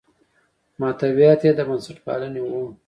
محتویات یې د بنسټپالنې وو.